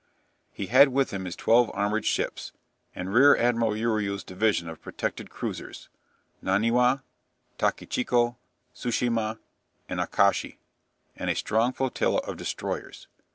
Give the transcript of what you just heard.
He had with him his twelve armoured ships, and Rear Admiral Uriu's division of protected cruisers ("Naniwa," "Takachico," "Tsushima," and "Akashi"), and a strong flotilla of destroyers.